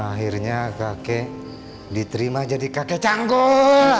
akhirnya kakek diterima jadi kakek canggul